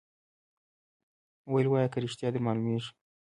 ویل وایه که ریشتیا در معلومیږي